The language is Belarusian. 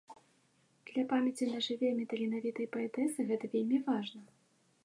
Для памяці нашай вельмі таленавітай паэтэсы гэта вельмі важна.